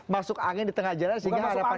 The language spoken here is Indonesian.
masuk angin di tengah jalan sehingga harapannya